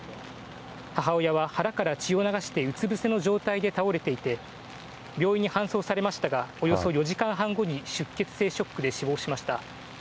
母親は腹から血を流してうつ伏せの状態で倒れていて、病院に搬送されましたが、およそ４時間半後に出血性ショックで死亡しました。